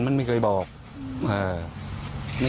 หนึ่งอำนาจริง